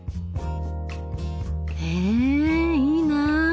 えいいな。